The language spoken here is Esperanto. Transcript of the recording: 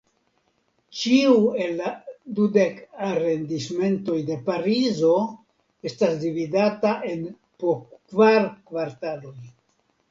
Ĉiu el la du dek Arondismentoj de Parizo estas dividata en po kvar kvartaloj.